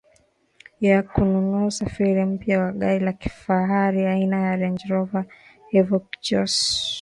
ya kununua usafiri mpya wa gari la kifahari aina ya Range Rover Evoque Jose